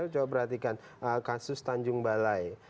coba perhatikan kasus tanjung balai